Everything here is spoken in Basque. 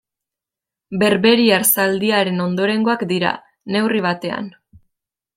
Berberiar zaldiaren ondorengoak dira, neurri batean.